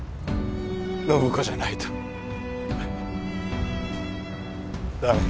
暢子じゃないと駄目。